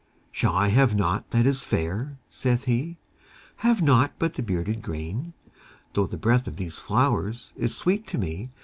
Shall I have nought that is fair, saith he : Have nought but the bearded grain ? Though the breath of these flowers is sweet to me.